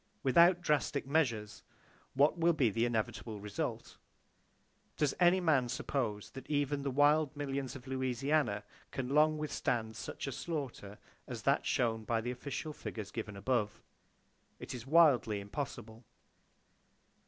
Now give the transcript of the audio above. Without drastic measures, what will be the inevitable result? Does any man suppose that even the wild millions of Louisiana can long withstand such slaughter as that shown by the official figures given above? It is wildly impossible.